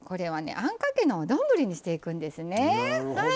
あんかけのお丼にしていくんですね。